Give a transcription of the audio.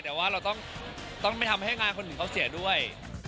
แต่ว่าเราต้องไม่ทำให้งานคนหนึ่งเขาเสียด้วย